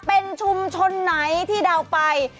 เป็นชุมชนไหนที่เดาไป